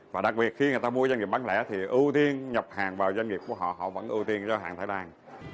và đặc biệt khi người ta mua doanh nghiệp bán lẻ thì ưu tiên nhập hàng vào doanh nghiệp của họ họ vẫn ưu tiên cho hàng thái lan